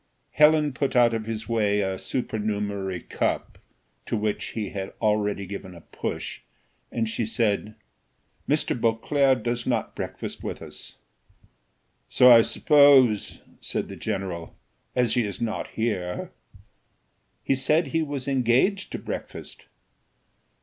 Helen put out of his way a supernumerary cup, to which he had already given a push, and she said, "Mr. Beauclerc does not breakfast with us." "So I suppose," said the general, "as he is not here." "He said he was engaged to breakfast."